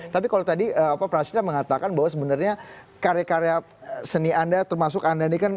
tapi kalau tadi prasidra mengatakan bahwa sebenarnya karya karya seni anda termasuk anda ini kan